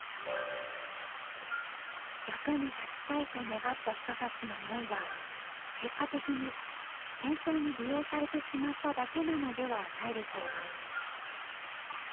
役に立ちたいと願った人たちの思いは結果的に戦争に利用されてしまっただけなのではないでしょうか。